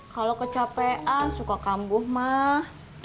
kalau kecapean suka kambuh mah